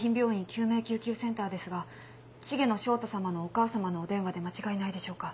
救命救急センターですが重野翔太さまのお母さまのお電話で間違いないでしょうか？